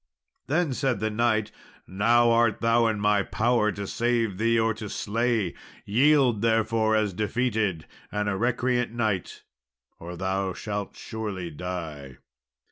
Then said the knight, "Now art thou in my power, to save thee or to slay. Yield therefore as defeated, and a recreant knight, or thou shall surely die."